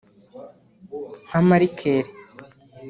nka Markell